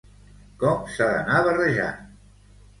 Com s'ha d'anar barrejant?